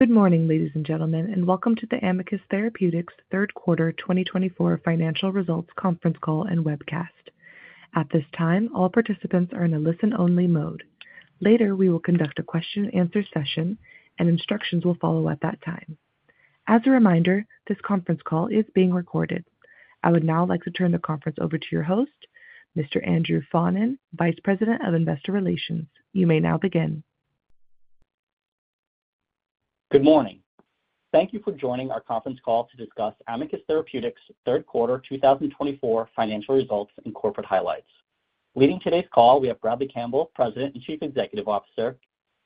Good morning, ladies and gentlemen, and welcome to the Amicus Therapeutics third quarter 2024 financial results conference call and webcast. At this time, all participants are in a listen-only mode. Later, we will conduct a question-and-answer session, and instructions will follow at that time. As a reminder, this conference call is being recorded. I would now like to turn the conference over to your host, Mr. Andrew Faughnan, Vice President of Investor Relations. You may now begin. Good morning. Thank you for joining our conference call to discuss Amicus Therapeutics third quarter 2024 financial results and corporate highlights. Leading today's call, we have Bradley Campbell, President and Chief Executive Officer,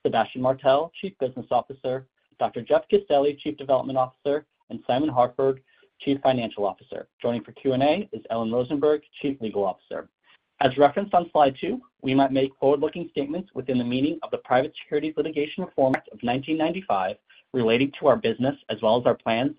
Sébastien Martel, Chief Business Officer, Dr. Jeff Castelli, Chief Development Officer, and Simon Harford, Chief Financial Officer. Joining for Q&A is Ellen Rosenberg, Chief Legal Officer. As referenced on slide two, we might make forward-looking statements within the meaning of the Private Securities Litigation Reform Act of 1995 relating to our business as well as our plans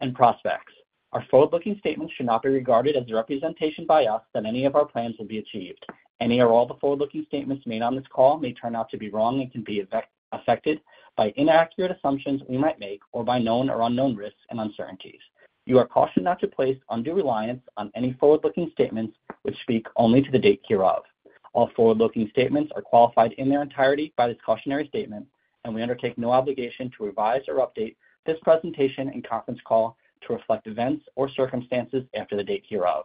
and prospects. Our forward-looking statements should not be regarded as a representation by us that any of our plans will be achieved. Any or all the forward-looking statements made on this call may turn out to be wrong and can be affected by inaccurate assumptions we might make or by known or unknown risks and uncertainties. You are cautioned not to place undue reliance on any forward-looking statements which speak only to the date hereof. All forward-looking statements are qualified in their entirety by this cautionary statement, and we undertake no obligation to revise or update this presentation and conference call to reflect events or circumstances after the date hereof.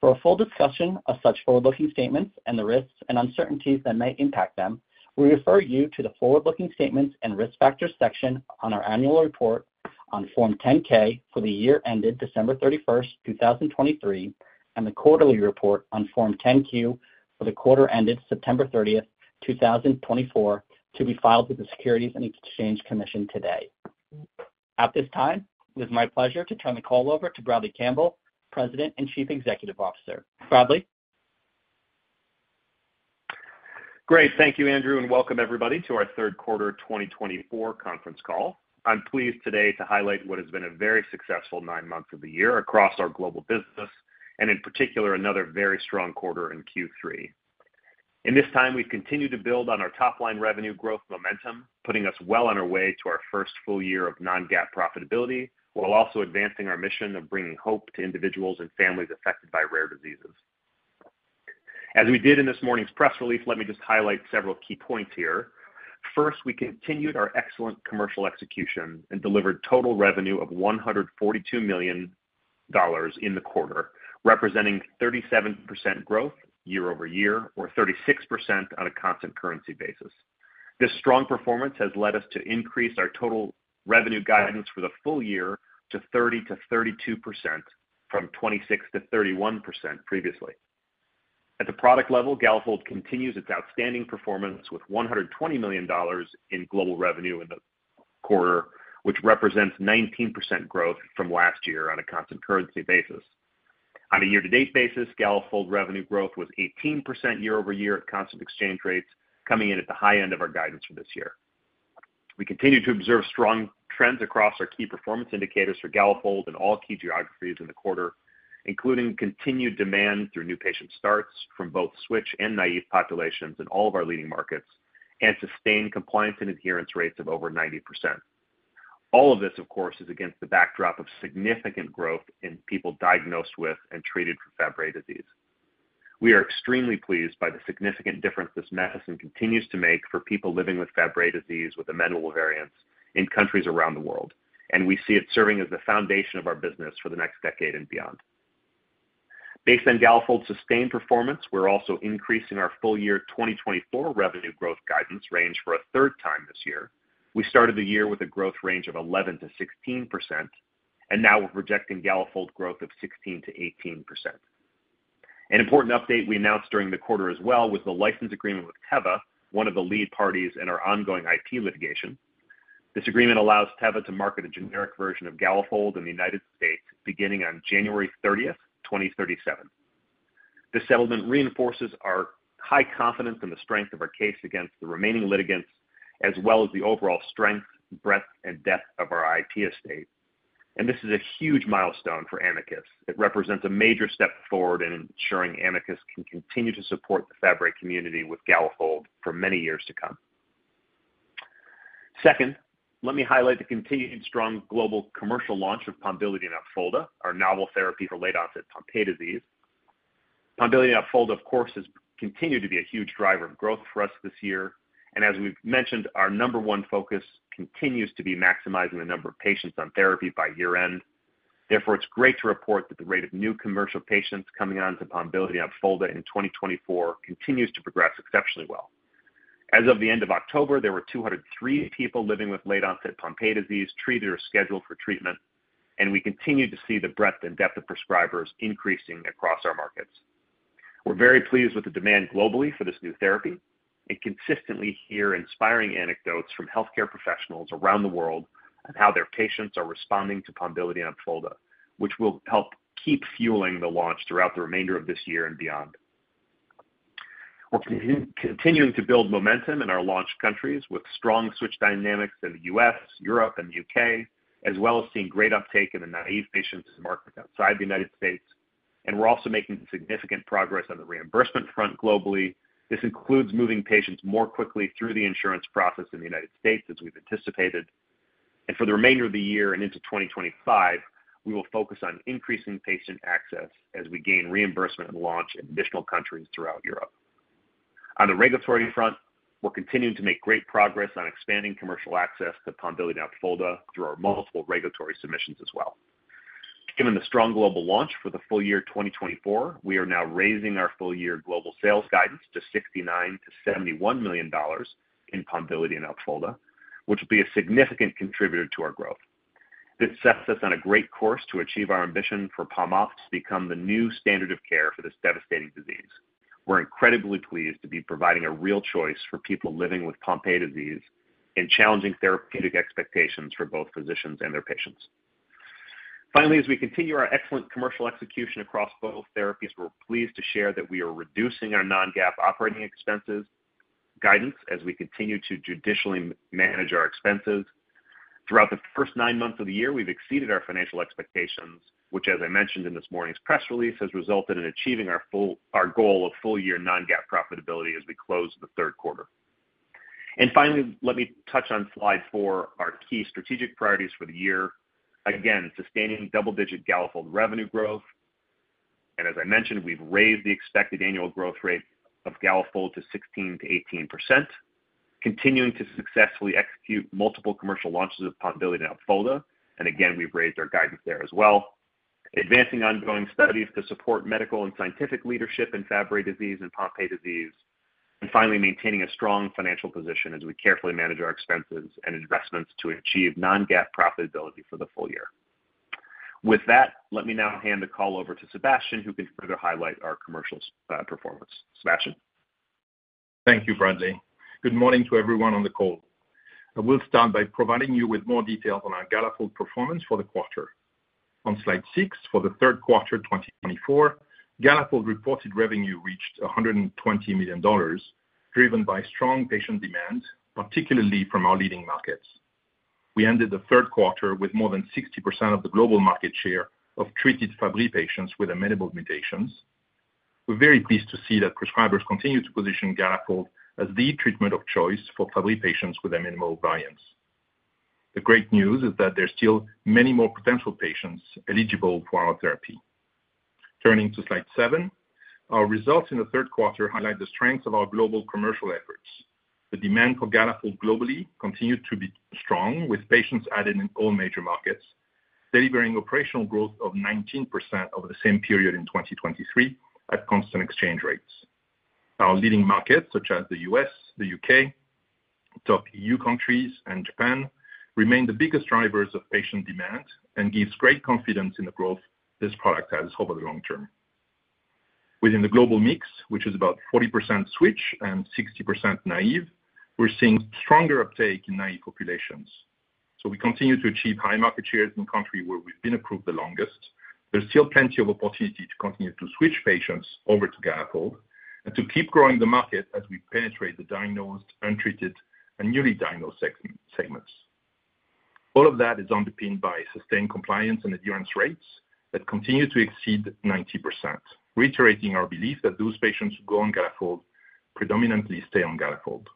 For a full discussion of such forward-looking statements and the risks and uncertainties that may impact them, we refer you to the Forward-Looking Statements and Risk Factors section on our annual report on Form 10-K for the year ended December 31st, 2023, and the Quarterly Report on Form 10-Q for the quarter ended September 30th, 2024, to be filed with the Securities and Exchange Commission today. At this time, it is my pleasure to turn the call over to Bradley Campbell, President and Chief Executive Officer. Bradley. Great. Thank you, Andrew, and welcome everybody to our third quarter 2024 conference call. I'm pleased today to highlight what has been a very successful nine months of the year across our global business, and in particular, another very strong quarter in Q3. In this time, we've continued to build on our top-line revenue growth momentum, putting us well on our way to our first full year of non-GAAP profitability while also advancing our mission of bringing hope to individuals and families affected by rare diseases. As we did in this morning's press release, let me just highlight several key points here. First, we continued our excellent commercial execution and delivered total revenue of $142 million in the quarter, representing 37% growth year-over-year or 36% on a constant currency basis. This strong performance has led us to increase our total revenue guidance for the full year to 30%-32% from 26%-31% previously. At the product level, Galafold continues its outstanding performance with $120 million in global revenue in the quarter, which represents 19% growth from last year on a constant currency basis. On a year-to-date basis, Galafold revenue growth was 18% year-over-year at constant exchange rates, coming in at the high end of our guidance for this year. We continue to observe strong trends across our key performance indicators for Galafold in all key geographies in the quarter, including continued demand through new patient starts from both switch and naive populations in all of our leading markets and sustained compliance and adherence rates of over 90%. All of this, of course, is against the backdrop of significant growth in people diagnosed with and treated for Fabry disease. We are extremely pleased by the significant difference this medicine continues to make for people living with Fabry disease with amenable variants in countries around the world, and we see it serving as the foundation of our business for the next decade and beyond. Based on Galafold's sustained performance, we're also increasing our full-year 2024 revenue growth guidance range for a third time this year. We started the year with a growth range of 11%-16%, and now we're projecting Galafold growth of 16%-18%. An important update we announced during the quarter as well was the license agreement with Teva, one of the lead parties in our ongoing IP litigation. This agreement allows Teva to market a generic version of Galafold in the United States beginning on January 30th, 2037. This settlement reinforces our high confidence in the strength of our case against the remaining litigants, as well as the overall strength, breadth, and depth of our IP estate. And this is a huge milestone for Amicus. It represents a major step forward in ensuring Amicus can continue to support the Fabry community with Galafold for many years to come. Second, let me highlight the continued strong global commercial launch of Pombiliti and Opfolda, our novel therapy for late-onset Pompe disease. Pombiliti and Opfolda, of course, has continued to be a huge driver of growth for us this year. And as we've mentioned, our number one focus continues to be maximizing the number of patients on therapy by year-end. Therefore, it's great to report that the rate of new commercial patients coming on to Pombiliti and Opfolda in 2024 continues to progress exceptionally well. As of the end of October, there were 203 people living with late-onset Pompe disease treated or scheduled for treatment, and we continue to see the breadth and depth of prescribers increasing across our markets. We're very pleased with the demand globally for this new therapy and consistently hear inspiring anecdotes from healthcare professionals around the world and how their patients are responding to Pombiliti and Opfolda, which will help keep fueling the launch throughout the remainder of this year and beyond. We're continuing to build momentum in our launch countries with strong switch dynamics in the U.S., Europe, and the U.K., as well as seeing great uptake in the naive patients market outside the United States. We're also making significant progress on the reimbursement front globally. This includes moving patients more quickly through the insurance process in the United States, as we've anticipated. For the remainder of the year and into 2025, we will focus on increasing patient access as we gain reimbursement and launch in additional countries throughout Europe. On the regulatory front, we're continuing to make great progress on expanding commercial access to Pombiliti and Opfolda through our multiple regulatory submissions as well. Given the strong global launch for the full year 2024, we are now raising our full-year global sales guidance to $69 million-$71 million in Pombiliti and Opfolda, which will be a significant contributor to our growth. This sets us on a great course to achieve our ambition for Pompe to become the new standard of care for this devastating disease. We're incredibly pleased to be providing a real choice for people living with Pompe disease and challenging therapeutic expectations for both physicians and their patients. Finally, as we continue our excellent commercial execution across both therapies, we're pleased to share that we are reducing our non-GAAP operating expenses guidance as we continue to judicially manage our expenses. Throughout the first nine months of the year, we've exceeded our financial expectations, which, as I mentioned in this morning's press release, has resulted in achieving our goal of full-year non-GAAP profitability as we close the third quarter. And finally, let me touch on slide four, our key strategic priorities for the year. Again, sustaining double-digit Galafold revenue growth. And as I mentioned, we've raised the expected annual growth rate of Galafold to 16%-18%, continuing to successfully execute multiple commercial launches of Pombiliti and Opfolda. And again, we've raised our guidance there as well, advancing ongoing studies to support medical and scientific leadership in Fabry disease and Pompe disease, and finally maintaining a strong financial position as we carefully manage our expenses and investments to achieve non-GAAP profitability for the full year. With that, let me now hand the call over to Sébastien, who can further highlight our commercial performance. Sébastien. Thank you, Bradley. Good morning to everyone on the call. I will start by providing you with more details on our Galafold performance for the quarter. On slide six for the third quarter 2024, Galafold reported revenue reached $120 million, driven by strong patient demand, particularly from our leading markets. We ended the third quarter with more than 60% of the global market share of treated Fabry patients with amenable mutations. We're very pleased to see that prescribers continue to position Galafold as the treatment of choice for Fabry patients with amenable variants. The great news is that there are still many more potential patients eligible for our therapy. Turning to slide seven, our results in the third quarter highlight the strength of our global commercial efforts. The demand for Galafold globally continued to be strong, with patients added in all major markets, delivering operational growth of 19% over the same period in 2023 at constant exchange rates. Our leading markets, such as the U.S., the U.K., top EU countries, and Japan, remain the biggest drivers of patient demand and give great confidence in the growth this product has over the long term. Within the global mix, which is about 40% switch and 60% naive, we're seeing stronger uptake in naive populations. So we continue to achieve high market shares in countries where we've been approved the longest. There's still plenty of opportunity to continue to switch patients over to Galafold and to keep growing the market as we penetrate the diagnosed, untreated, and newly diagnosed segments. All of that is underpinned by sustained compliance and adherence rates that continue to exceed 90%, reiterating our belief that those patients who go on Galafold predominantly stay on Galafold.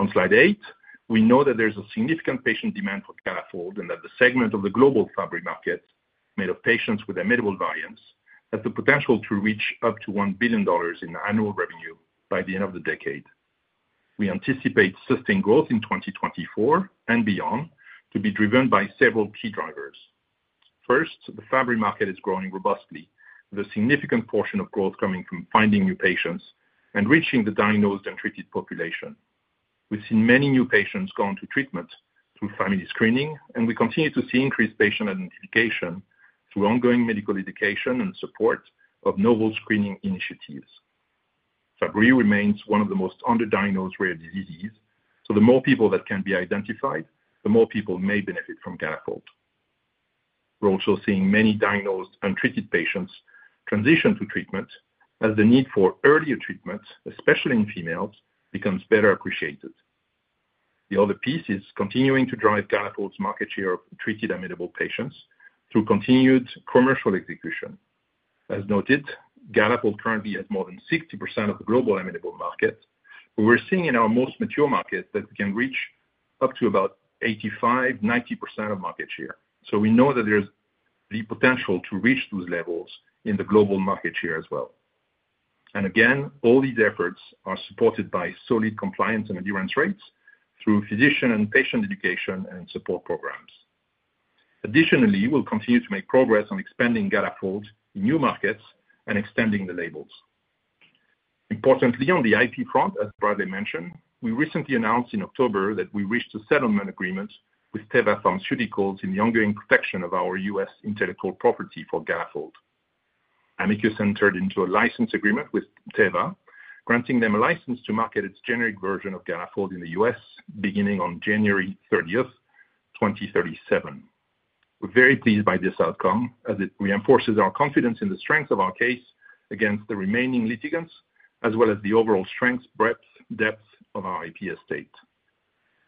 On slide eight, we know that there's a significant patient demand for Galafold and that the segment of the global Fabry market made of patients with amenable variants has the potential to reach up to $1 billion in annual revenue by the end of the decade. We anticipate sustained growth in 2024 and beyond to be driven by several key drivers. First, the Fabry market is growing robustly, with a significant portion of growth coming from finding new patients and reaching the diagnosed and treated population. We've seen many new patients go on to treatment through family screening, and we continue to see increased patient identification through ongoing medical education and support of novel screening initiatives. Fabry remains one of the most underdiagnosed rare diseases, so the more people that can be identified, the more people may benefit from Galafold. We're also seeing many diagnosed untreated patients transition to treatment as the need for earlier treatment, especially in females, becomes better appreciated. The other piece is continuing to drive Galafold's market share of treated amenable patients through continued commercial execution. As noted, Galafold currently has more than 60% of the global amenable market, but we're seeing in our most mature market that we can reach up to about 85%-90% of market share. So we know that there's the potential to reach those levels in the global market share as well. And again, all these efforts are supported by solid compliance and adherence rates through physician and patient education and support programs. Additionally, we'll continue to make progress on expanding Galafold in new markets and extending the labels. Importantly, on the IP front, as Bradley mentioned, we recently announced in October that we reached a settlement agreement with Teva Pharmaceuticals in the ongoing protection of our U.S. intellectual property for Galafold. Amicus entered into a license agreement with Teva, granting them a license to market its generic version of Galafold in the U.S. beginning on January 30th, 2037. We're very pleased by this outcome as it reinforces our confidence in the strength of our case against the remaining litigants, as well as the overall strength, breadth, and depth of our IP estate.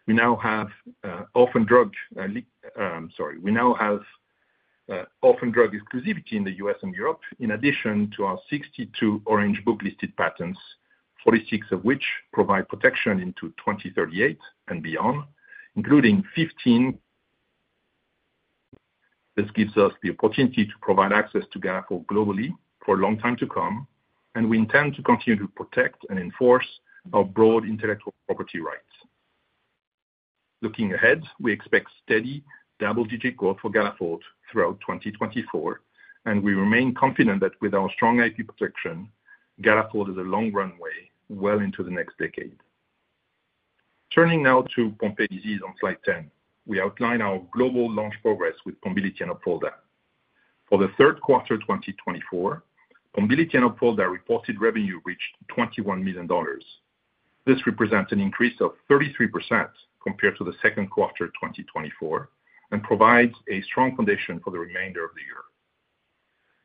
We now have orphan drug exclusivity in the U.S. and Europe, in addition to our 62 Orange Book-listed patents, 46 of which provide protection into 2038 and beyond, including 15. This gives us the opportunity to provide access to Galafold globally for a long time to come, and we intend to continue to protect and enforce our broad intellectual property rights. Looking ahead, we expect steady double-digit growth for Galafold throughout 2024, and we remain confident that with our strong IP protection, Galafold is a long runway well into the next decade. Turning now to Pompe disease on slide 10, we outline our global launch progress with Pombiliti and Opfolda. For the third quarter 2024, Pombiliti and Opfolda reported revenue reached $21 million. This represents an increase of 33% compared to the second quarter 2024 and provides a strong foundation for the remainder of the year.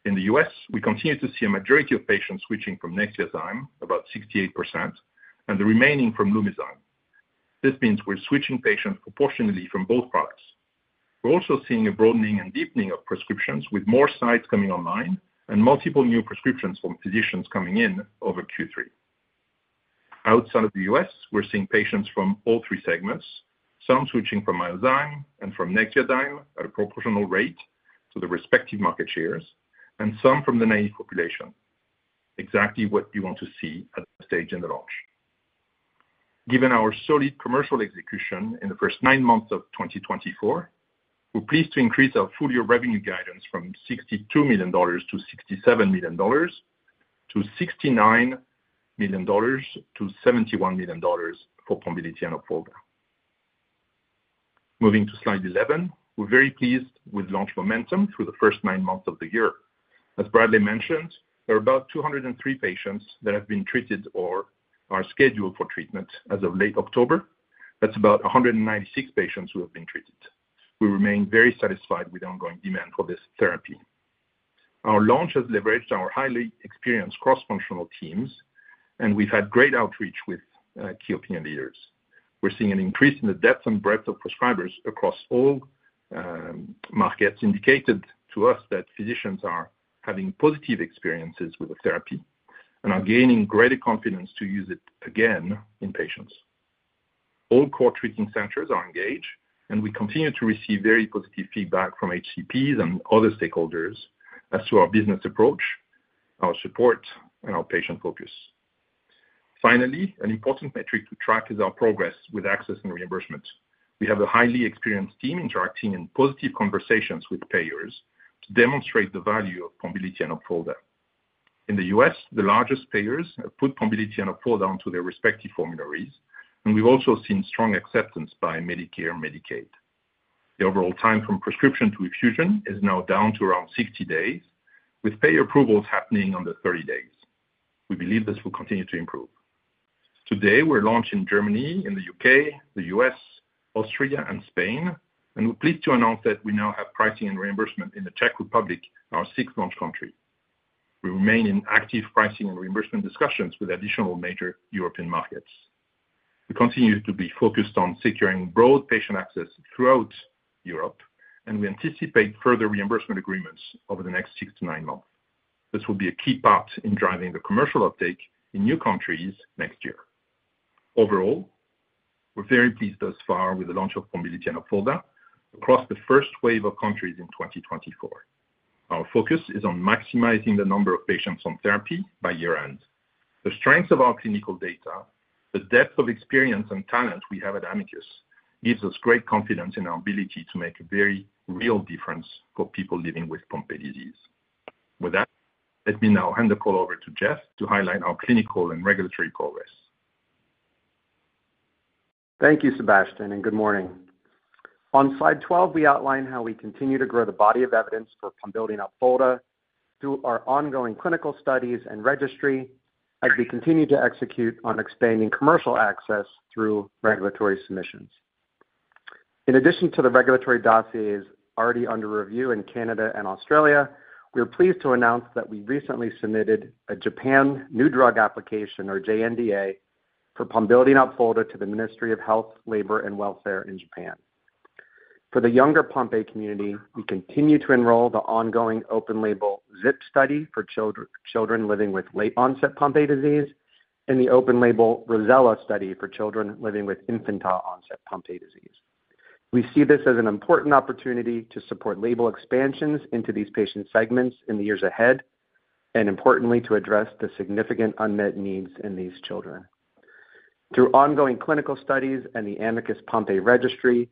In the U.S., we continue to see a majority of patients switching from Nexviazyme, about 68%, and the remaining from Lumizyme. This means we're switching patients proportionately from both products. We're also seeing a broadening and deepening of prescriptions with more sites coming online and multiple new prescriptions from physicians coming in over Q3. Outside of the US, we're seeing patients from all three segments, some switching from Myozyme and from Nexviazyme at a proportional rate to the respective market shares, and some from the naive population, exactly what you want to see at the stage in the launch. Given our solid commercial execution in the first nine months of 2024, we're pleased to increase our full-year revenue guidance from $62 million-$67 million to $69 million-$71 million for Pombiliti and Opfolda. Moving to slide 11, we're very pleased with launch momentum through the first nine months of the year. As Bradley mentioned, there are about 203 patients that have been treated or are scheduled for treatment as of late October. That's about 196 patients who have been treated. We remain very satisfied with the ongoing demand for this therapy. Our launch has leveraged our highly experienced cross-functional teams, and we've had great outreach with key opinion leaders. We're seeing an increase in the depth and breadth of prescribers across all markets indicating to us that physicians are having positive experiences with the therapy and are gaining greater confidence to use it again in patients. All core treating centers are engaged, and we continue to receive very positive feedback from HCPs and other stakeholders as to our business approach, our support, and our patient focus. Finally, an important metric to track is our progress with access and reimbursement. We have a highly experienced team interacting in positive conversations with payers to demonstrate the value of Pombiliti and Opfolda. In the U.S., the largest payers have put Pombiliti and Opfolda onto their respective formularies, and we've also seen strong acceptance by Medicare and Medicaid. The overall time from prescription to infusion is now down to around 60 days, with payer approvals happening under 30 days. We believe this will continue to improve. Today, we're launched in Germany, in the U.K., the U.S., Austria, and Spain, and we're pleased to announce that we now have pricing and reimbursement in the Czech Republic, our sixth launch country. We remain in active pricing and reimbursement discussions with additional major European markets. We continue to be focused on securing broad patient access throughout Europe, and we anticipate further reimbursement agreements over the next six to nine months. This will be a key part in driving the commercial uptake in new countries next year. Overall, we're very pleased thus far with the launch of Pombiliti and Opfolda across the first wave of countries in 2024. Our focus is on maximizing the number of patients on therapy by year-end. The strength of our clinical data, the depth of experience and talent we have at Amicus gives us great confidence in our ability to make a very real difference for people living with Pompe disease. With that, let me now hand the call over to Jeff to highlight our clinical and regulatory progress. Thank you, Sébastien, and good morning. On slide 12, we outline how we continue to grow the body of evidence for Pombiliti and Opfolda through our ongoing clinical studies and registry as we continue to execute on expanding commercial access through regulatory submissions. In addition to the regulatory dossiers already under review in Canada and Australia, we're pleased to announce that we recently submitted a Japan new drug application, or JNDA, for Pombiliti and Opfolda to the Ministry of Health, Labour and Welfare in Japan. For the younger Pompe community, we continue to enroll the ongoing open-label ZIP study for children living with late-onset Pompe disease and the open-label Rossella study for children living with infantile-onset Pompe disease. We see this as an important opportunity to support label expansions into these patient segments in the years ahead and, importantly, to address the significant unmet needs in these children. Through ongoing clinical studies and the Amicus Pompe Registry,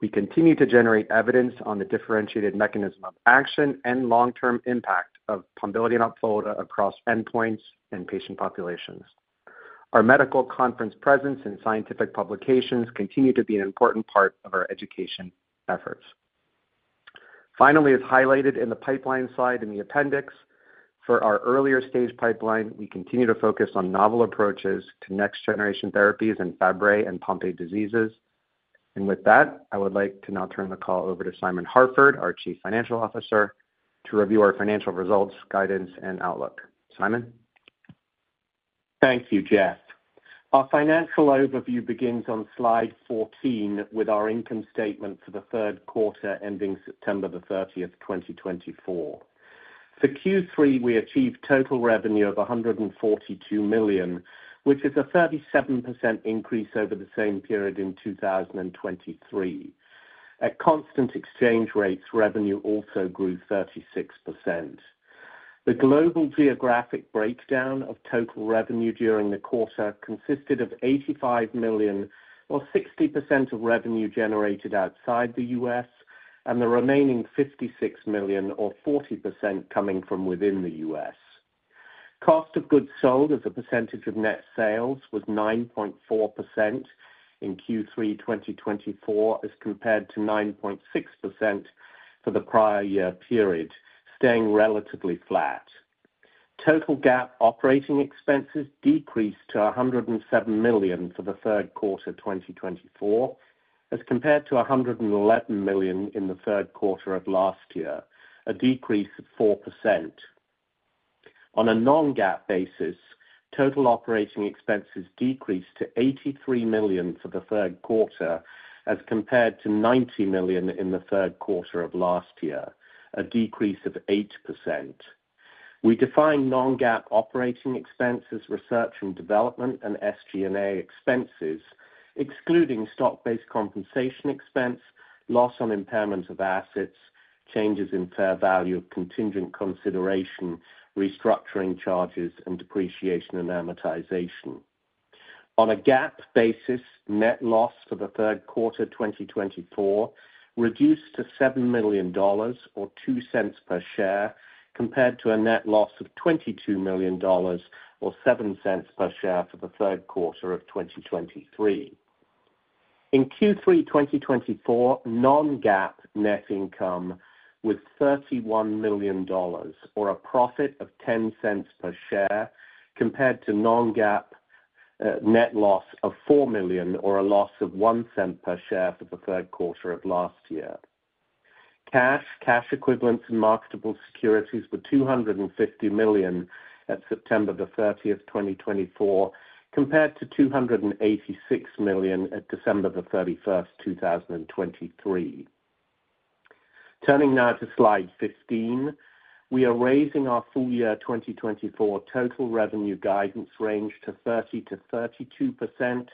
we continue to generate evidence on the differentiated mechanism of action and long-term impact of Pombiliti and Opfolda across endpoints and patient populations. Our medical conference presence and scientific publications continue to be an important part of our education efforts. Finally, as highlighted in the pipeline slide in the appendix, for our earlier stage pipeline, we continue to focus on novel approaches to next-generation therapies in Fabry and Pompe diseases. And with that, I would like to now turn the call over to Simon Harford, our Chief Financial Officer, to review our financial results, guidance, and outlook. Simon? Thank you, Jeff. Our financial overview begins on slide 14 with our income statement for the third quarter ending September the 30th, 2024. For Q3, we achieved total revenue of $142 million, which is a 37% increase over the same period in 2023. At constant exchange rates, revenue also grew 36%. The global geographic breakdown of total revenue during the quarter consisted of $85 million, or 60% of revenue generated outside the U.S., and the remaining $56 million, or 40%, coming from within the U.S. Cost of goods sold as a percentage of net sales was 9.4% in Q3 2024 as compared to 9.6% for the prior year period, staying relatively flat. Total GAAP operating expenses decreased to $107 million for the third quarter 2024 as compared to $111 million in the third quarter of last year, a decrease of 4%. On a non-GAAP basis, total operating expenses decreased to $83 million for the third quarter as compared to $90 million in the third quarter of last year, a decrease of 8%. We define non-GAAP operating expenses research and development and SG&A expenses, excluding stock-based compensation expense, loss on impairment of assets, changes in fair value of contingent consideration, restructuring charges, and depreciation and amortization. On a GAAP basis, net loss for the third quarter 2024 reduced to $7 million, or $0.02 per share, compared to a net loss of $22 million, or $0.07 per share for the third quarter of 2023. In Q3 2024, non-GAAP net income was $31 million, or a profit of $0.10 per share, compared to non-GAAP net loss of $4 million, or a loss of $0.01 per share for the third quarter of last year. Cash, cash equivalents, and marketable securities were $250 million at September the 30th, 2024, compared to $286 million at December the 31st, 2023. Turning now to slide 15, we are raising our full-year 2024 total revenue guidance range to 30%-32%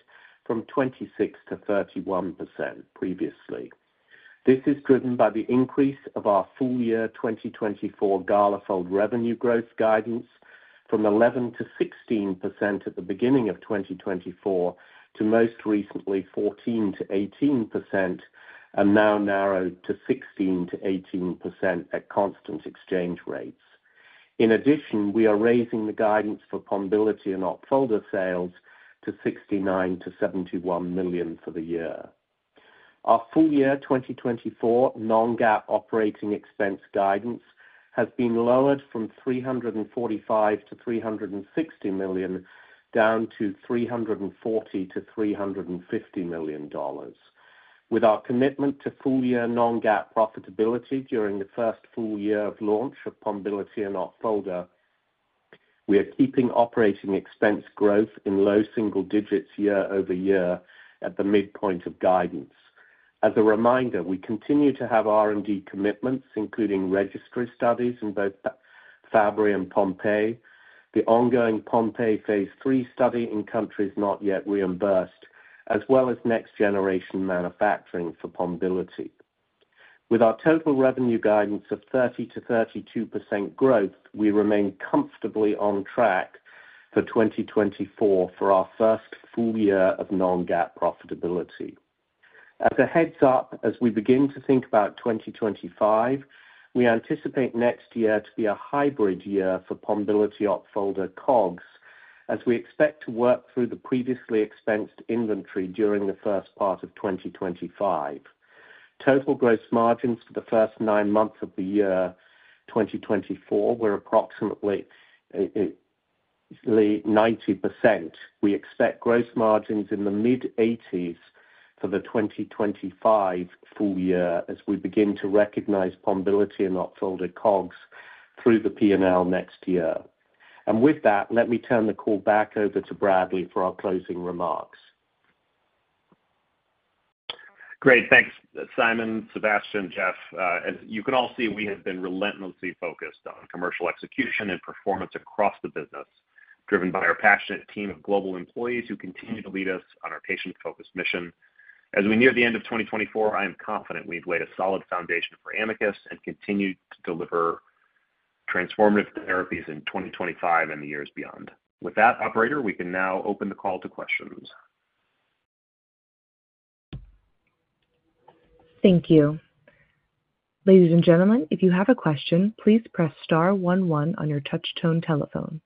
from 26%-31% previously. This is driven by the increase of our full-year 2024 Galafold revenue growth guidance from 11%-16% at the beginning of 2024 to most recently 14%-18% and now narrowed to 16%-18% at constant exchange rates. In addition, we are raising the guidance for Pombiliti and Opfolda sales to $69 million-$71 million for the year. Our full-year 2024 non-GAAP operating expense guidance has been lowered from $345 million-$360 million, down to $340 million-$350 million. With our commitment to full-year non-GAAP profitability during the first full year of launch of Pombiliti and Opfolda, we are keeping operating expense growth in low single digits year-over-year at the midpoint of guidance. As a reminder, we continue to have R&D commitments, including registry studies in both Fabry and Pompe, the ongoing Pompe phase three study in countries not yet reimbursed, as well as next-generation manufacturing for Pombiliti. With our total revenue guidance of 30%-32% growth, we remain comfortably on track for 2024 for our first full year of non-GAAP profitability. As a heads-up, as we begin to think about 2025, we anticipate next year to be a hybrid year for Pombiliti-Opfolda COGS, as we expect to work through the previously expensed inventory during the first part of 2025. Total gross margins for the first nine months of the year 2024 were approximately 90%. We expect gross margins in the mid-80s% for the 2025 full year as we begin to recognize Pombiliti and Opfolda COGS through the P&L next year. With that, let me turn the call back over to Bradley for our closing remarks. Great. Thanks, Simon, Sébastien, Jeff. As you can all see, we have been relentlessly focused on commercial execution and performance across the business, driven by our passionate team of global employees who continue to lead us on our patient-focused mission. As we near the end of 2024, I am confident we've laid a solid foundation for Amicus and continue to deliver transformative therapies in 2025 and the years beyond. With that, operator, we can now open the call to questions. Thank you. Ladies and gentlemen, if you have a question, please press star 11 on your touch-tone telephone.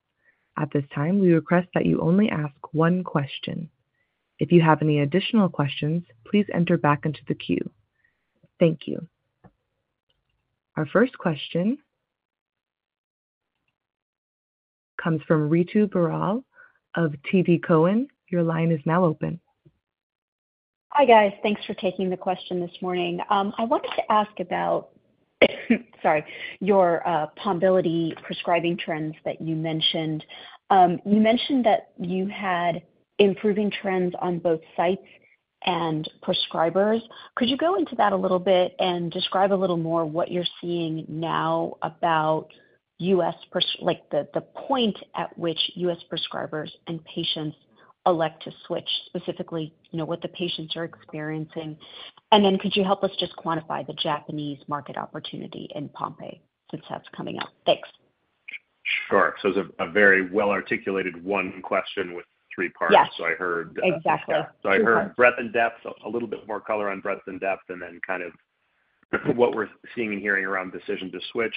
At this time, we request that you only ask one question. If you have any additional questions, please enter back into the queue. Thank you. Our first question comes from Ritu Baral of TD Cowen. Your line is now open. Hi, guys. Thanks for taking the question this morning. I wanted to ask about, sorry, your Pombiliti prescribing trends that you mentioned. You mentioned that you had improving trends on both sites and prescribers. Could you go into that a little bit and describe a little more what you're seeing now about the point at which U.S. prescribers and patients elect to switch, specifically what the patients are experiencing? And then could you help us just quantify the Japanese market opportunity in Pompe since that's coming up? Thanks. Sure. So it's a very well-articulated one question with three parts. Yes. So I heard. Exactly. So I heard breadth and depth, a little bit more color on breadth and depth, and then kind of what we're seeing and hearing around decision to switch,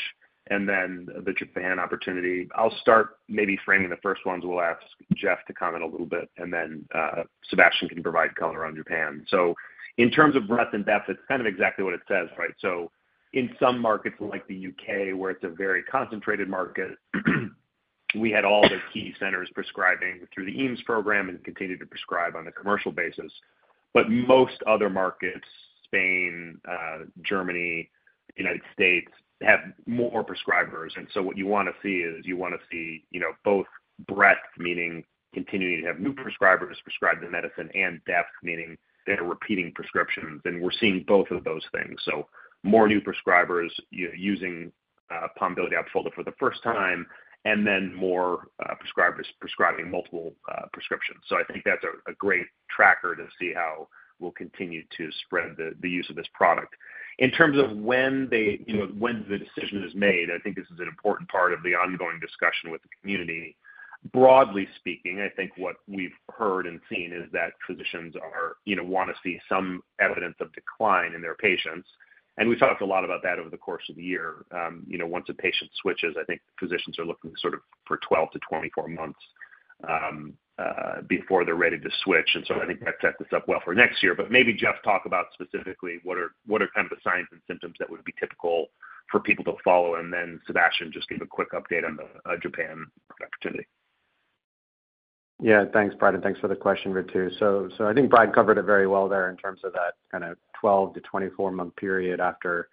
and then the Japan opportunity. I'll start maybe framing the first ones. We'll ask Jeff to comment a little bit, and then Sébastien can provide color on Japan. So in terms of breadth and depth, it's kind of exactly what it says, right? In some markets like the UK, where it's a very concentrated market, we had all the key centers prescribing through the EAMS program and continue to prescribe on a commercial basis, but most other markets, Spain, Germany, the United States, have more prescribers, and so what you want to see is you want to see both breadth, meaning continuing to have new prescribers prescribe the medicine, and depth, meaning they're repeating prescriptions. And we're seeing both of those things. So more new prescribers using Pombiliti-Opfolda for the first time, and then more prescribers prescribing multiple prescriptions. So I think that's a great tracker to see how we'll continue to spread the use of this product. In terms of when the decision is made, I think this is an important part of the ongoing discussion with the community. Broadly speaking, I think what we've heard and seen is that physicians want to see some evidence of decline in their patients. And we've talked a lot about that over the course of the year. Once a patient switches, I think physicians are looking sort of for 12 to 24 months before they're ready to switch. And so I think that sets us up well for next year. But maybe Jeff, talk about specifically what are kind of the signs and symptoms that would be typical for people to follow, and then Sébastien just give a quick update on the Japan market opportunity. Yeah. Thanks, Brad. And thanks for the question, Ritu. So I think Brad covered it very well there in terms of that kind of 12- to 24-month period after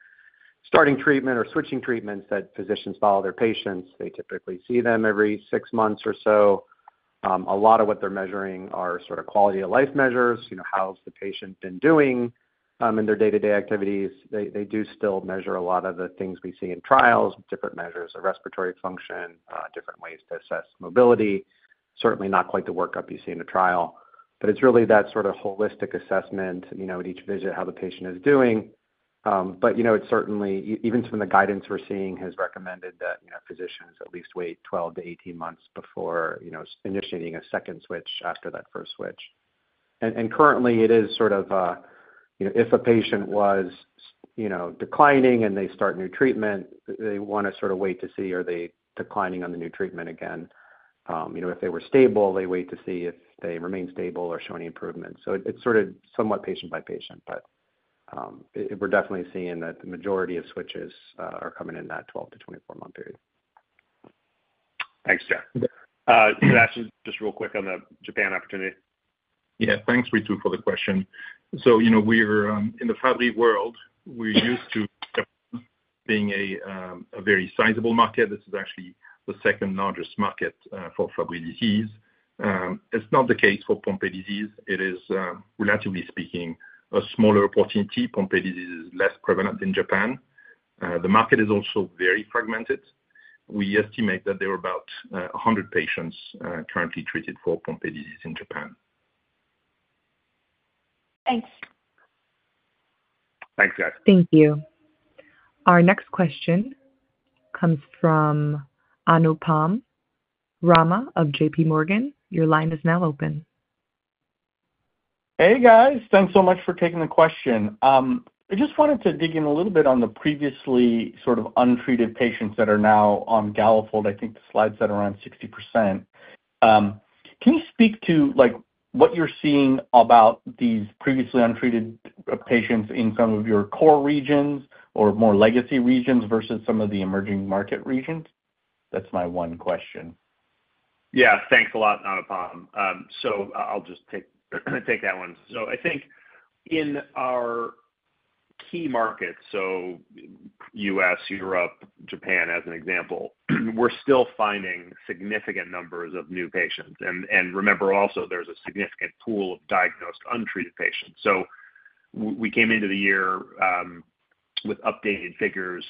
starting treatment or switching treatments that physicians follow their patients. They typically see them every six months or so. A lot of what they're measuring are sort of quality-of-life measures, how's the patient been doing in their day-to-day activities. They do still measure a lot of the things we see in trials, different measures of respiratory function, different ways to assess mobility. Certainly not quite the workup you see in a trial. But it's really that sort of holistic assessment at each visit, how the patient is doing. But it's certainly, even from the guidance we're seeing, has recommended that physicians at least wait 12- to 18 months before initiating a second switch after that first switch. And currently, it is sort of if a patient was declining and they start new treatment, they want to sort of wait to see are they declining on the new treatment again. If they were stable, they wait to see if they remain stable or show any improvement. So it's sort of somewhat patient by patient. But we're definitely seeing that the majority of switches are coming in that 12- to 24-month period. Thanks, Jeff. Sébastien, just real quick on the Japan opportunity. Yeah. Thanks, Ritu, for the question. So in the Fabry world, we're used to Japan being a very sizable market. This is actually the second largest market for Fabry disease. It's not the case for Pompe disease. It is, relatively speaking, a smaller opportunity. Pompe disease is less prevalent in Japan. The market is also very fragmented. We estimate that there are about 100 patients currently treated for Pompe disease in Japan. Thanks. Thanks, guys. Thank you. Our next question comes from Anupam Rama of J.P. Morgan. Your line is now open. Hey, guys. Thanks so much for taking the question. I just wanted to dig in a little bit on the previously sort of untreated patients that are now on Galafold. I think the slides are around 60%. Can you speak to what you're seeing about these previously untreated patients in some of your core regions or more legacy regions versus some of the emerging market regions? That's my one question. Yeah. Thanks a lot, Anupam. So I'll just take that one. So I think in our key markets, so U.S., Europe, Japan, as an example, we're still finding significant numbers of new patients. And remember also, there's a significant pool of diagnosed untreated patients. So we came into the year with updated figures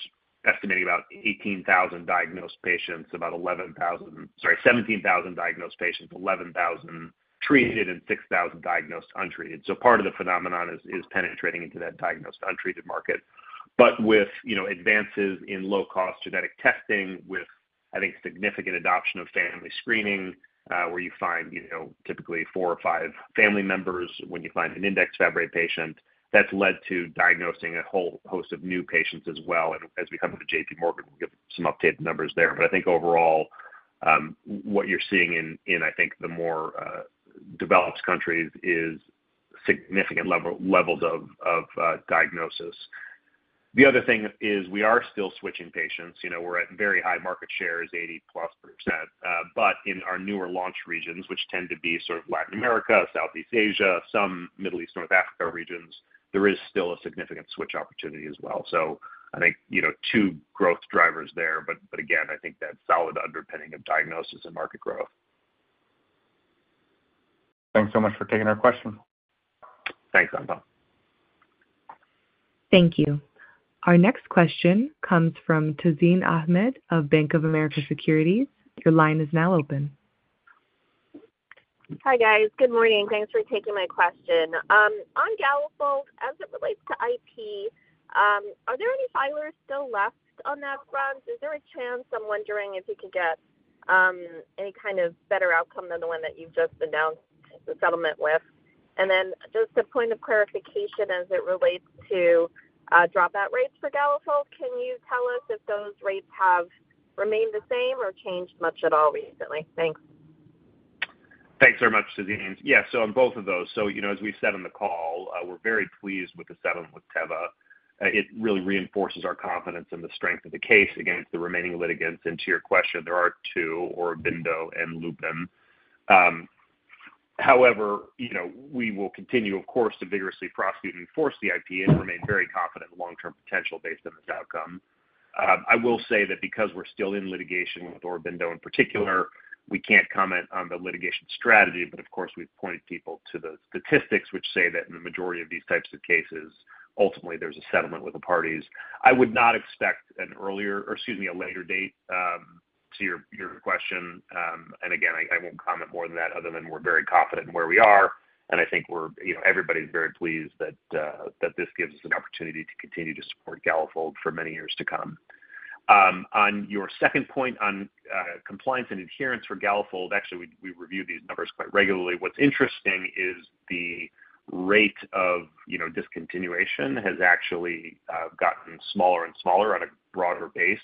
estimating about 18,000 diagnosed patients, about 11,000, sorry, 17,000 diagnosed patients, 11,000 treated, and 6,000 diagnosed untreated. So part of the phenomenon is penetrating into that diagnosed untreated market. But with advances in low-cost genetic testing, with, I think, significant adoption of family screening, where you find typically four or five family members when you find an index Fabry patient, that's led to diagnosing a whole host of new patients as well. And as we come to JPMorgan, we'll give some updated numbers there. But I think overall, what you're seeing in, I think, the more developed countries is significant levels of diagnosis. The other thing is we are still switching patients. We're at very high market shares, 80-plus%. But in our newer launch regions, which tend to be sort of Latin America, Southeast Asia, some Middle East, North Africa regions, there is still a significant switch opportunity as well. So I think two growth drivers there. But again, I think that solid underpinning of diagnosis and market growth. Thanks so much for taking our question. Thanks, Anupam. Thank you. Our next question comes from Tazeen Ahmad of Bank of America Securities. Your line is now open. Hi, guys. Good morning. Thanks for taking my question. On Galafold, as it relates to IP, are there any filers still left on that front? Is there a chance? I'm wondering if you could get any kind of better outcome than the one that you've just announced the settlement with? And then just a point of clarification as it relates to dropout rates for Galafold, can you tell us if those rates have remained the same or changed much at all recently? Thanks. Thanks very much, Tazeen. Yeah. So on both of those, so as we said on the call, we're very pleased with the settlement with Teva. It really reinforces our confidence in the strength of the case against the remaining litigants. And to your question, there are two: Aurobindo, and Lupin. However, we will continue, of course, to vigorously prosecute and enforce the IP and remain very confident in the long-term potential based on this outcome. I will say that because we're still in litigation with Aurobindo, in particular, we can't comment on the litigation strategy. But of course, we've pointed people to the statistics, which say that in the majority of these types of cases, ultimately, there's a settlement with the parties. I would not expect an earlier—or excuse me, a later date to your question. Again, I won't comment more than that, other than we're very confident in where we are. I think everybody's very pleased that this gives us an opportunity to continue to support Galafold for many years to come. On your second point on compliance and adherence for Galafold, actually, we review these numbers quite regularly. What's interesting is the rate of discontinuation has actually gotten smaller and smaller on a broader base.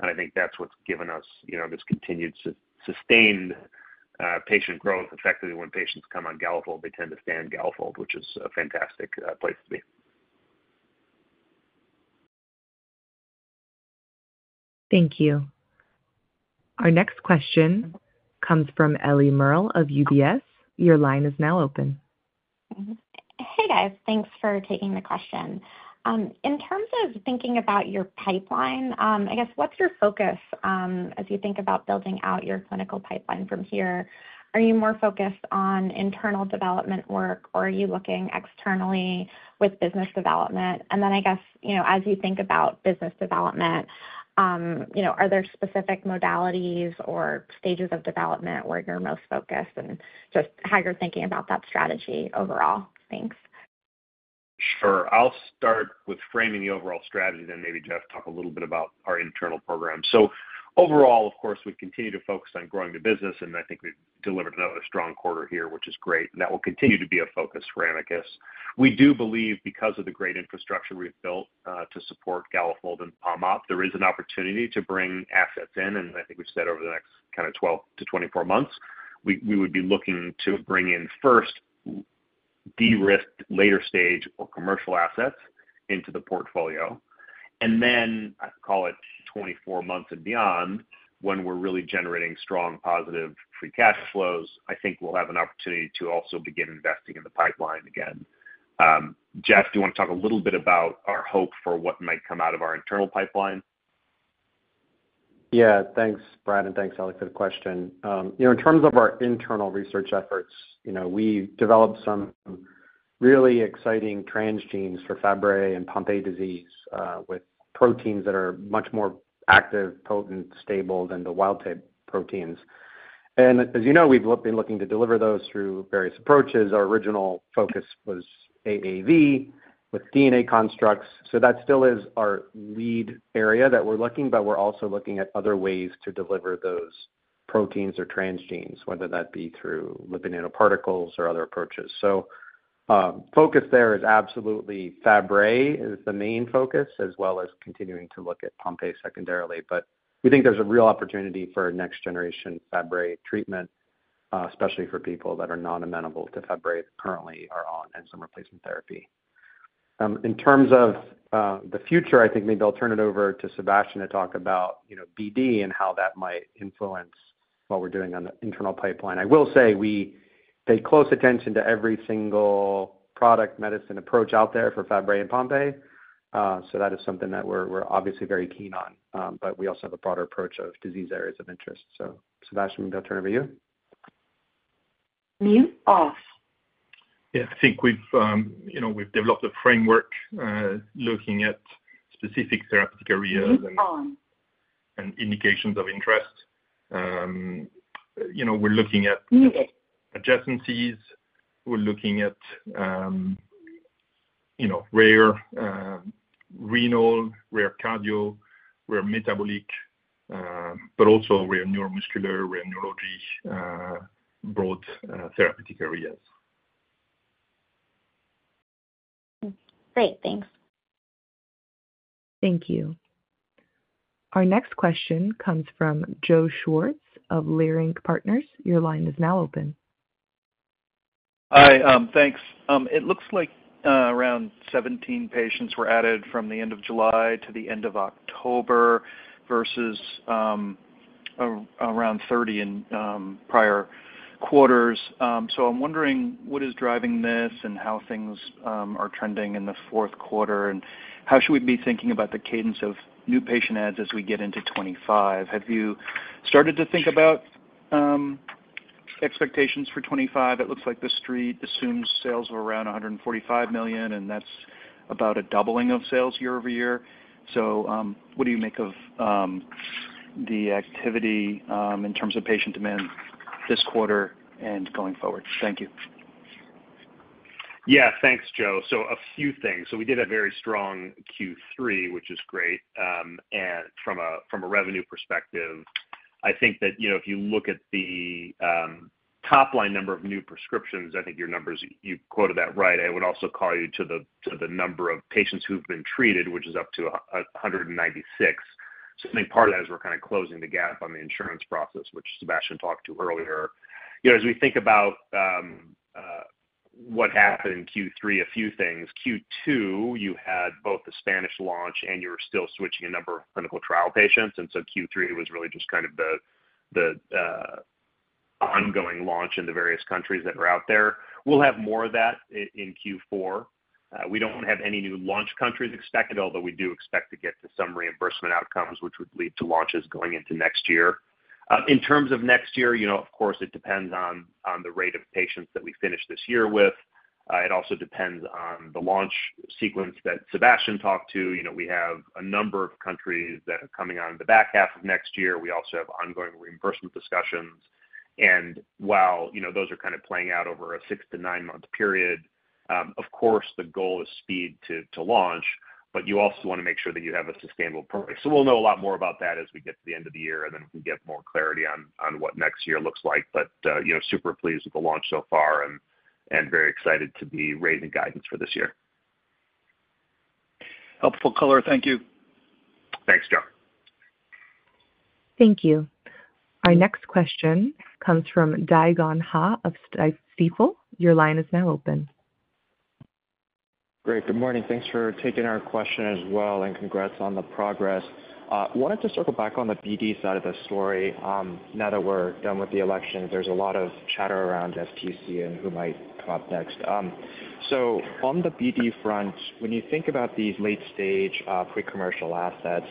I think that's what's given us this continued sustained patient growth. Effectively, when patients come on Galafold, they tend to stay on Galafold, which is a fantastic place to be. Thank you. Our next question comes from Eliana Merle of UBS. Your line is now open. Hey, guys. Thanks for taking the question. In terms of thinking about your pipeline, I guess, what's your focus as you think about building out your clinical pipeline from here? Are you more focused on internal development work, or are you looking externally with business development? And then I guess, as you think about business development, are there specific modalities or stages of development where you're most focused and just how you're thinking about that strategy overall? Thanks. Sure. I'll start with framing the overall strategy, then maybe, Jeff, talk a little bit about our internal program. So overall, of course, we continue to focus on growing the business, and I think we've delivered another strong quarter here, which is great, and that will continue to be a focus for Amicus. We do believe, because of the great infrastructure we've built to support Galafold and Pombiliti, there is an opportunity to bring assets in. And I think we've said over the next kind of 12-24 months, we would be looking to bring in first de-risked later-stage or commercial assets into the portfolio, and then I call it 24 months and beyond, when we're really generating strong positive free cash flows, I think we'll have an opportunity to also begin investing in the pipeline again. Jeff, do you want to talk a little bit about our hope for what might come out of our internal pipeline? Yeah. Thanks, Brad, and thanks, Ellie, for the question. In terms of our internal research efforts, we developed some really exciting transgenes for Fabry and Pompe disease with proteins that are much more active, potent, stable than the wild-type proteins. And as you know, we've been looking to deliver those through various approaches. Our original focus was AAV with DNA constructs. So that still is our lead area that we're looking, but we're also looking at other ways to deliver those proteins or transgenes, whether that be through lipid nanoparticles or other approaches. So focus there is absolutely Fabry is the main focus, as well as continuing to look at Pompe secondarily. But we think there's a real opportunity for next-generation Fabry treatment, especially for people that are non-amenable to Fabry that currently are on enzyme replacement therapy. In terms of the future, I think maybe I'll turn it over to Sébastien to talk about BD and how that might influence what we're doing on the internal pipeline. I will say we pay close attention to every single product medicine approach out there for Fabry and Pompe. So that is something that we're obviously very keen on. But we also have a broader approach of disease areas of interest. So Sébastien, maybe I'll turn it over to you. Mute off. Yeah. I think we've developed a framework looking at specific therapeutic areas and indications of interest. We're looking at adjacencies. We're looking at rare renal, rare cardio, rare metabolic, but also rare neuromuscular, rare neurology, broad therapeutic areas. Great. Thanks. Thank you. Our next question comes from Joe Schwartz of Leerink Partners. Your line is now open. Hi. Thanks. It looks like around 17 patients were added from the end of July to the end of October versus around 30 in prior quarters. So I'm wondering what is driving this and how things are trending in the fourth quarter, and how should we be thinking about the cadence of new patient adds as we get into 2025? Have you started to think about expectations for 2025? It looks like the street assumes sales are around $145 million, and that's about a doubling of sales year-over-year. So what do you make of the activity in terms of patient demand this quarter and going forward? Thank you. Yeah. Thanks, Joe. So a few things. So we did a very strong Q3, which is great. And from a revenue perspective, I think that if you look at the top-line number of new prescriptions, I think your numbers, you quoted that right. I would also call you to the number of patients who've been treated, which is up to 196. So I think part of that is we're kind of closing the gap on the insurance process, which Sébastien talked to earlier. As we think about what happened in Q3, a few things. Q2, you had both the Spanish launch, and you were still switching a number of clinical trial patients. And so Q3 was really just kind of the ongoing launch in the various countries that are out there. We'll have more of that in Q4. We don't have any new launch countries expected, although we do expect to get to some reimbursement outcomes, which would lead to launches going into next year. In terms of next year, of course, it depends on the rate of patients that we finish this year with. It also depends on the launch sequence that Sébastien talked to. We have a number of countries that are coming on the back half of next year. We also have ongoing reimbursement discussions. And while those are kind of playing out over a six to nine-month period, of course, the goal is speed to launch, but you also want to make sure that you have a sustainable price. So we'll know a lot more about that as we get to the end of the year, and then we can get more clarity on what next year looks like. But super pleased with the launch so far and very excited to be raising guidance for this year. Helpful color. Thank you. Thanks, Joe. Thank you. Our next question comes from Dae Gon Ha of Stifel. Your line is now open. Great. Good morning. Thanks for taking our question as well, and congrats on the progress. I wanted to circle back on the BD side of the story. Now that we're done with the elections, there's a lot of chatter around FTC and who might come up next. So on the BD front, when you think about these late-stage pre-commercial assets,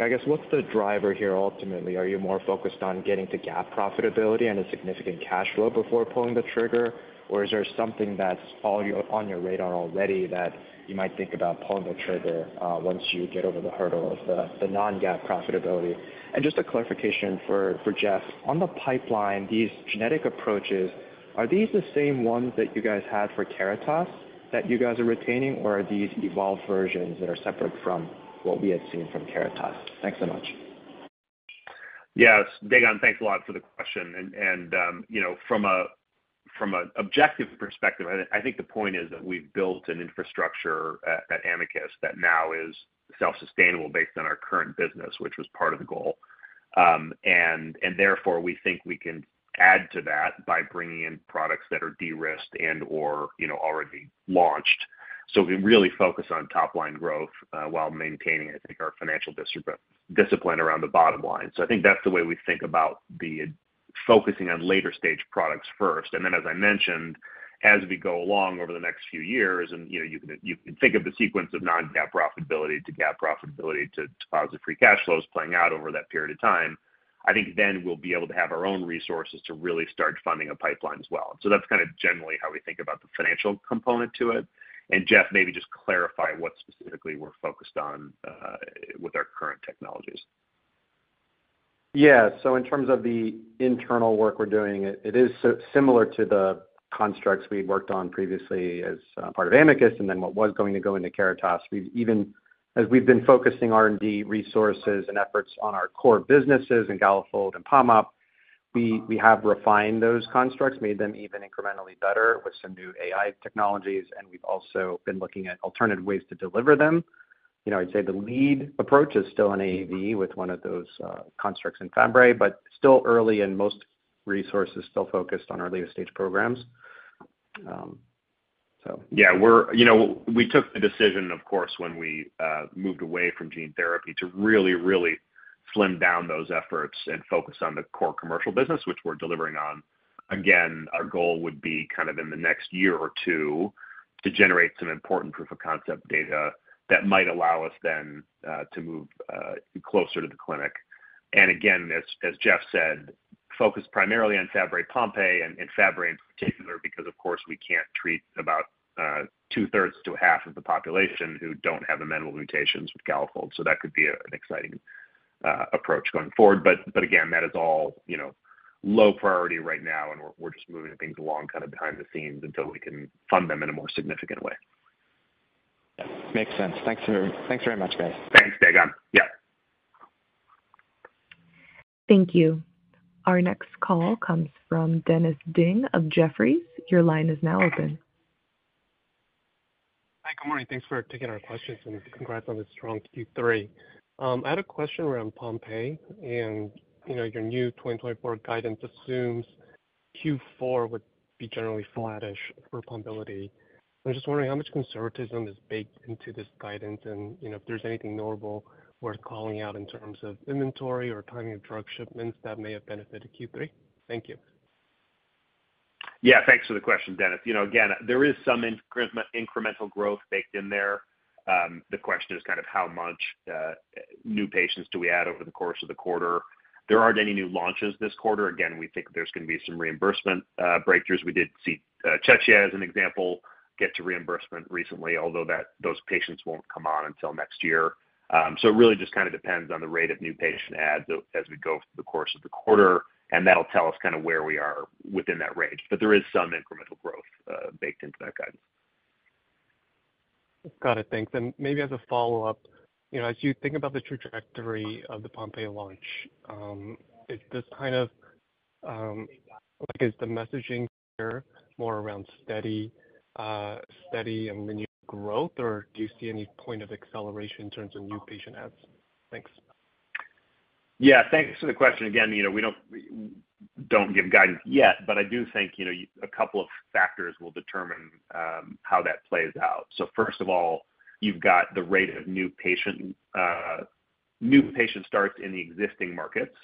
I guess, what's the driver here ultimately? Are you more focused on getting to GAAP profitability and a significant cash flow before pulling the trigger, or is there something that's on your radar already that you might think about pulling the trigger once you get over the hurdle of the non-GAAP profitability? Just a clarification for Jeff, on the pipeline, these genetic approaches, are these the same ones that you guys had for Caritas that you guys are retaining, or are these evolved versions that are separate from what we had seen from Caritas? Thanks so much. Yeah. Dae Gon, thanks a lot for the question. And from an objective perspective, I think the point is that we've built an infrastructure at Amicus that now is self-sustainable based on our current business, which was part of the goal. And therefore, we think we can add to that by bringing in products that are de-risked and/or already launched. So we can really focus on top-line growth while maintaining, I think, our financial discipline around the bottom line. So I think that's the way we think about focusing on later-stage products first. And then, as I mentioned, as we go along over the next few years, and you can think of the sequence of non-GAAP profitability to GAAP profitability to positive free cash flows playing out over that period of time, I think then we'll be able to have our own resources to really start funding a pipeline as well. So that's kind of generally how we think about the financial component to it. And Jeff, maybe just clarify what specifically we're focused on with our current technologies. Yeah. So in terms of the internal work we're doing, it is similar to the constructs we had worked on previously as part of Amicus and then what was going to go into Caritas. As we've been focusing R&D resources and efforts on our core businesses in Galafold and Pombiliti, we have refined those constructs, made them even incrementally better with some new AI technologies, and we've also been looking at alternative ways to deliver them. I'd say the lead approach is still in AAV with one of those constructs in Fabry, but still early, and most resources still focused on our later-stage programs, so. Yeah. We took the decision, of course, when we moved away from gene therapy to really, really slim down those efforts and focus on the core commercial business, which we're delivering on. Again, our goal would be kind of in the next year or two to generate some important proof-of-concept data that might allow us then to move closer to the clinic. And again, as Jeff said, focus primarily on Fabry and Pompe and Fabry in particular, because, of course, we can't treat about two-thirds to half of the population who don't have amenable mutations with Galafold. So that could be an exciting approach going forward. But again, that is all low priority right now, and we're just moving things along kind of behind the scenes until we can fund them in a more significant way. Yeah. Makes sense. Thanks very much, guys. Thanks, Dae Gon. Yeah. Thank you. Our next call comes from Dennis Ding of Jefferies. Your line is now open. Hi. Good morning. Thanks for taking our questions, and congrats on the strong Q3. I had a question around Pompe, and your new 2024 guidance assumes Q4 would be generally flattish for Pombiliti. I'm just wondering how much conservatism is baked into this guidance, and if there's anything notable worth calling out in terms of inventory or timing of drug shipments that may have benefited Q3? Thank you. Yeah. Thanks for the question, Dennis. Again, there is some incremental growth baked in there. The question is kind of how much new patients do we add over the course of the quarter? There aren't any new launches this quarter. Again, we think there's going to be some reimbursement breakthroughs. We did see Czechia, as an example, get to reimbursement recently, although those patients won't come on until next year. So it really just kind of depends on the rate of new patient adds as we go through the course of the quarter, and that'll tell us kind of where we are within that range. But there is some incremental growth baked into that guidance. Got it. Thanks. And maybe as a follow-up, as you think about the trajectory of the Pompe launch, is this kind of the messaging here more around steady and linear growth, or do you see any point of acceleration in terms of new patient adds? Thanks. Yeah. Thanks for the question. Again, we don't give guidance yet, but I do think a couple of factors will determine how that plays out. So first of all, you've got the rate of new patient starts in the existing markets.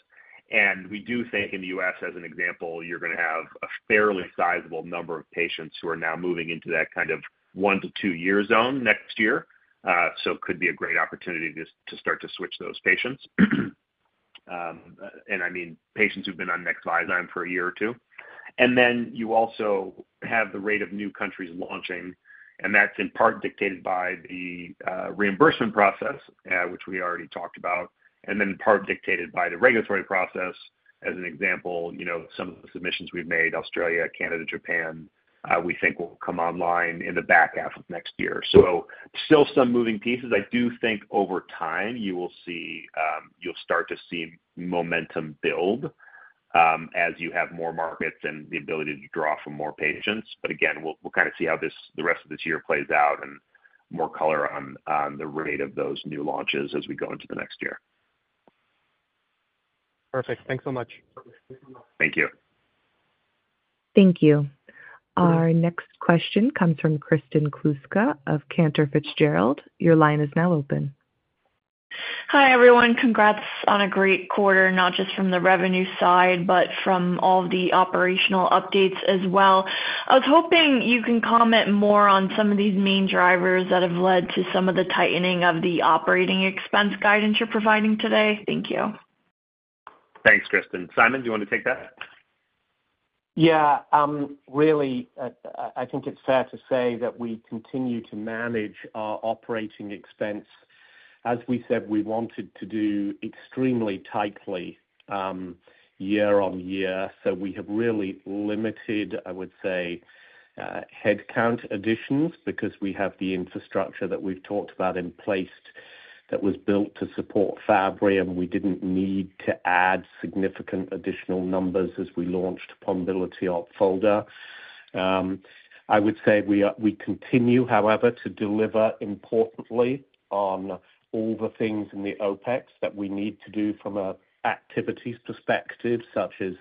And we do think in the U.S., as an example, you're going to have a fairly sizable number of patients who are now moving into that kind of one- to two-year zone next year. So it could be a great opportunity to start to switch those patients. And I mean, patients who've been on Nexviazyme for a year or two. And then you also have the rate of new countries launching, and that's in part dictated by the reimbursement process, which we already talked about, and then in part dictated by the regulatory process. As an example, some of the submissions we've made, Australia, Canada, Japan, we think will come online in the back half of next year. So still some moving pieces. I do think over time, you will start to see momentum build as you have more markets and the ability to draw from more patients. But again, we'll kind of see how the rest of this year plays out and more color on the rate of those new launches as we go into the next year. Perfect. Thanks so much. Thank you. Thank you. Our next question comes from Kristen Kluska of Cantor Fitzgerald. Your line is now open. Hi, everyone. Congrats on a great quarter, not just from the revenue side, but from all the operational updates as well. I was hoping you can comment more on some of these main drivers that have led to some of the tightening of the operating expense guidance you're providing today. Thank you. Thanks, Kristen. Simon, do you want to take that? Yeah. Really, I think it's fair to say that we continue to manage our operating expense. As we said, we wanted to do extremely tightly year on year. So we have really limited, I would say, headcount additions because we have the infrastructure that we've talked about in place that was built to support Fabry, and we didn't need to add significant additional numbers as we launched Pombiliti Opfolda. I would say we continue, however, to deliver importantly on all the things in the OpEx that we need to do from an activities perspective, such as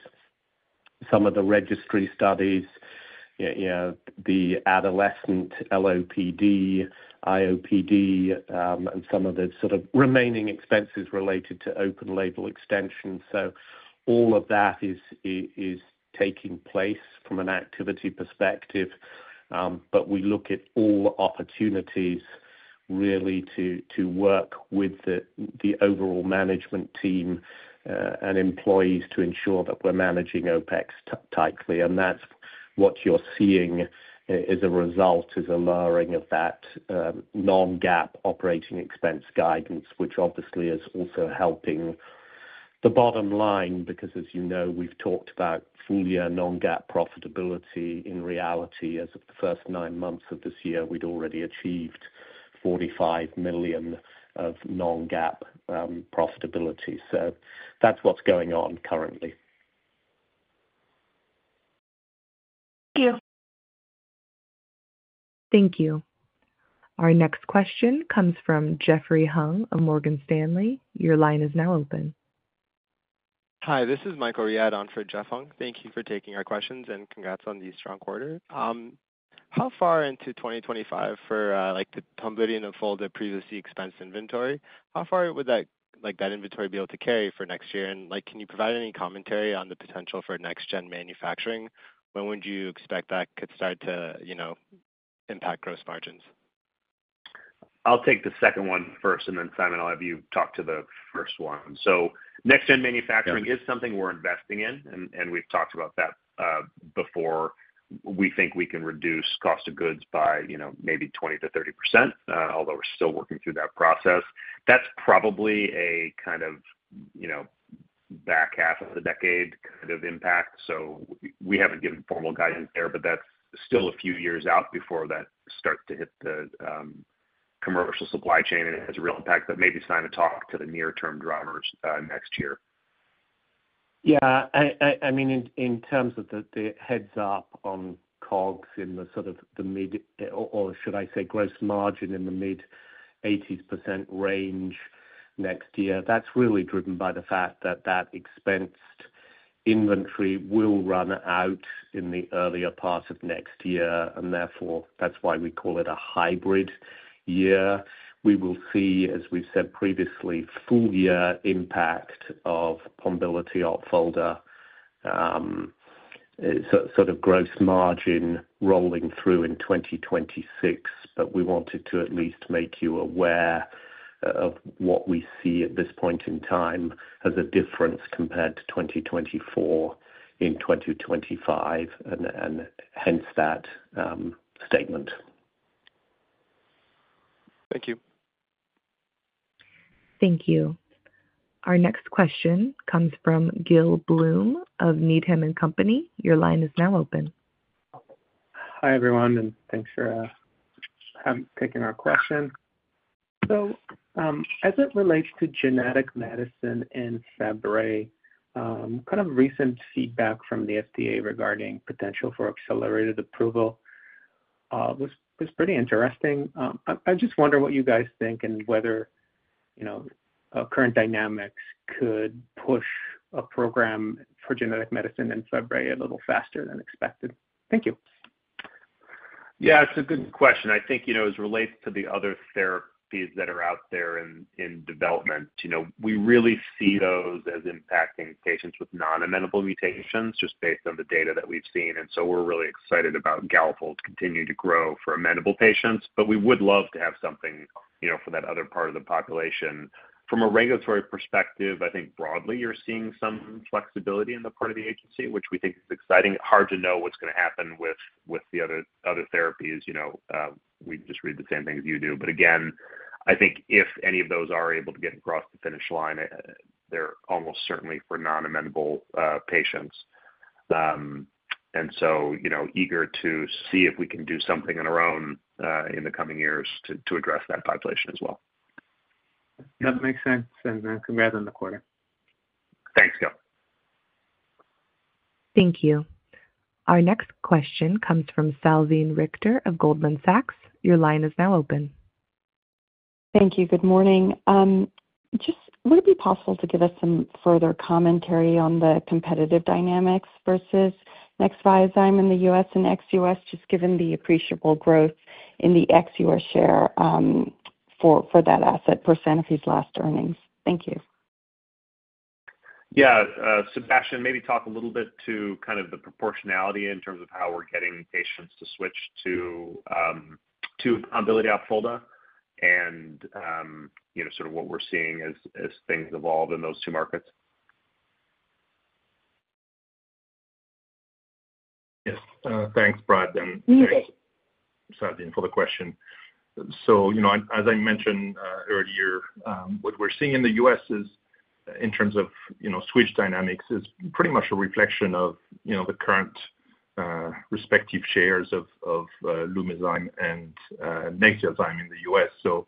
some of the registry studies, the adolescent LOPD, IOPD, and some of the sort of remaining expenses related to open-label extensions. All of that is taking place from an activity perspective, but we look at all opportunities really to work with the overall management team and employees to ensure that we're managing OpEx tightly. And that's what you're seeing as a result, as a lowering of that non-GAAP operating expense guidance, which obviously is also helping the bottom line because, as you know, we've talked about full-year non-GAAP profitability. In reality, as of the first nine months of this year, we'd already achieved $45 million of non-GAAP profitability. That's what's going on currently. Thank you. Thank you. Our next question comes from Jeffrey Hung of Morgan Stanley. Your line is now open. Hi. This is Michael Riad on for Jeffrey Hung. Thank you for taking our questions, and congrats on the strong quarter. How far into 2025 for the Pombiliti and Opfolda previously expensed inventory? How far would that inventory be able to carry for next year? And can you provide any commentary on the potential for next-gen manufacturing? When would you expect that could start to impact gross margins? I'll take the second one first, and then Simon, I'll have you talk to the first one. So next-gen manufacturing is something we're investing in, and we've talked about that before. We think we can reduce cost of goods by maybe 20%-30%, although we're still working through that process. That's probably a kind of back half of the decade kind of impact. So we haven't given formal guidance there, but that's still a few years out before that starts to hit the commercial supply chain and has a real impact. But maybe Simon talk to the near-term drivers next year. Yeah. I mean, in terms of the heads-up on COGS in the sort of the mid or should I say gross margin in the mid-80s% range next year, that's really driven by the fact that that expensed inventory will run out in the earlier part of next year, and therefore, that's why we call it a hybrid year. We will see, as we've said previously, full-year impact of Pombiliti Opfolda, sort of gross margin rolling through in 2026. But we wanted to at least make you aware of what we see at this point in time as a difference compared to 2024 in 2025, and hence that statement. Thank you. Thank you. Our next question comes from Gil Blum of Needham & Company. Your line is now open. Hi everyone, and thanks for taking our question. So as it relates to genetic medicine in Fabry, kind of recent feedback from the FDA regarding potential for accelerated approval was pretty interesting. I just wonder what you guys think and whether current dynamics could push a program for genetic medicine in Fabry a little faster than expected? Thank you. Yeah. It's a good question. I think as it relates to the other therapies that are out there in development, we really see those as impacting patients with non-amenable mutations just based on the data that we've seen. And so we're really excited about Galafold continuing to grow for amenable patients, but we would love to have something for that other part of the population. From a regulatory perspective, I think broadly you're seeing some flexibility on the part of the agency, which we think is exciting. Hard to know what's going to happen with the other therapies. We just read the same things you do. But again, I think if any of those are able to get across the finish line, they're almost certainly for non-amenable patients. And so eager to see if we can do something on our own in the coming years to address that population as well. That makes sense. And congrats on the quarter. Thanks, Gil. Thank you. Our next question comes from Salveen Richter of Goldman Sachs. Your line is now open. Thank you. Good morning. Just, would it be possible to give us some further commentary on the competitive dynamics versus Nexviazyme in the U.S. and ex-U.S., just given the appreciable growth in the ex-U.S. share for that asset % per the last earnings? Thank you. Yeah. Sébastien, maybe talk a little bit to kind of the proportionality in terms of how we're getting patients to switch to Pombiliti and Opfolda and sort of what we're seeing as things evolve in those two markets. Yes. Thanks, Brad. And thanks, Salveen, for the question. So as I mentioned earlier, what we're seeing in the US in terms of switch dynamics is pretty much a reflection of the current respective shares of Lumizyme and Nexviazyme in the US. So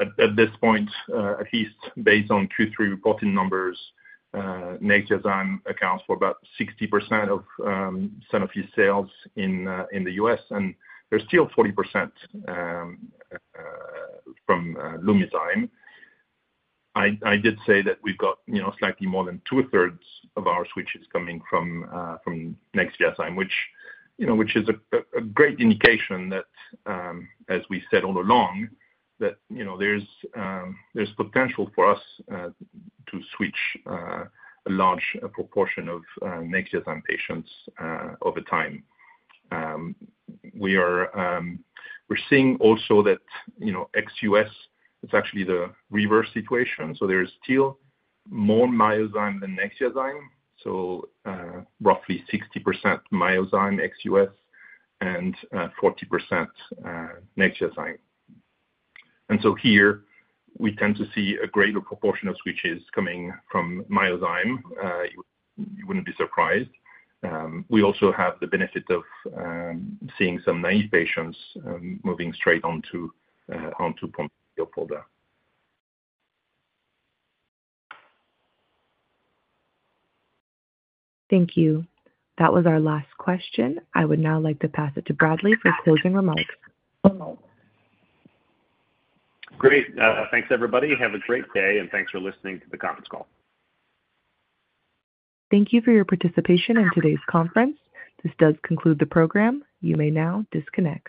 at this point, at least based on Q3 reporting numbers, Nexviazyme accounts for about 60% of Sanofi sales in the US, and there's still 40% from Lumizyme. I did say that we've got slightly more than two-thirds of our switches coming from Nexviazyme, which is a great indication that, as we said all along, there's potential for us to switch a large proportion of Nexviazyme patients over time. We're seeing also that ex-US is actually the reverse situation. So there's still more Myozyme than Nexviazyme, so roughly 60% Myozyme ex-US and 40% Nexviazyme. Here, we tend to see a greater proportion of switches coming from Myozyme. You wouldn't be surprised. We also have the benefit of seeing some naive patients moving straight onto Pombiliti Opfolda. Thank you. That was our last question. I would now like to pass it to Bradley for closing remarks. Great. Thanks, everybody. Have a great day, and thanks for listening to the conference call. Thank you for your participation in today's conference. This does conclude the program. You may now disconnect.